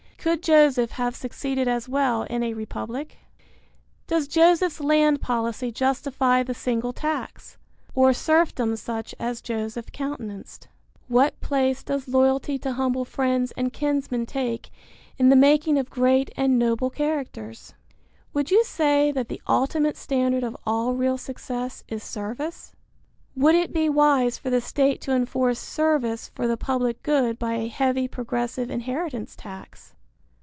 Could Joseph have succeeded as well in a republic? Does Joseph's land policy justify the single tax? Or serfdom such as Joseph countenanced? What place does loyalty to humble friends and kinsmen take in the making of great and noble characters? Would you say that the ultimate standard of all real success is service? Would it be wise for the state to enforce service for the public good by a heavy, progressive inheritance tax?